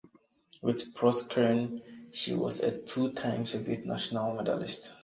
With Proskurin, she was a two-time Soviet national medalist.